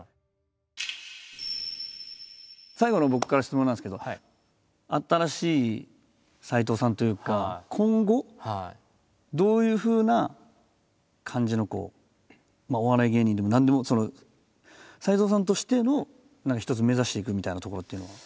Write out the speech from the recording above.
最後の僕から質問なんですけど新しい斎藤さんというか今後どういうふうな感じのお笑い芸人でも何でも斎藤さんとしての何か一つ目指していくみたいなところっていうのは。